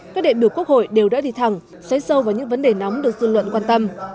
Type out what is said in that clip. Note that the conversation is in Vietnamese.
các đại biểu quốc hội đều đã đi thẳng xoay sâu vào những vấn đề nóng được dư luận quan tâm